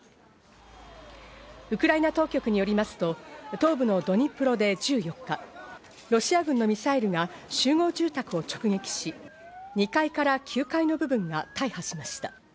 ウクライナ当局によりますと東部のドニプロで１４日、ロシア軍のミサイルが集合住宅を直撃し、２階から９階の部分が大破しました。